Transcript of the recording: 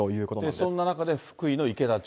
そんな中で、福井の池田町。